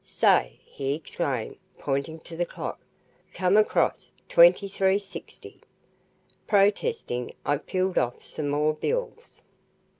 "Say," he exclaimed, pointing to the clock, "come across twenty three, sixty." Protesting, I peeled off some more bills.